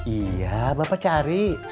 iya bapak cari